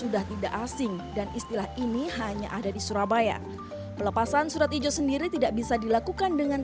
dan istilah ini hanya ada di surabaya pelepasan surat ijo sendiri tidak bisa dilakukan dengan